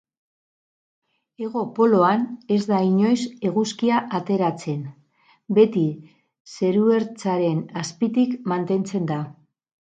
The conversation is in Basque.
Hego poloan, ez da inoiz Eguzkia ateratzen; beti zeruertzaren azpitik mantentzen da.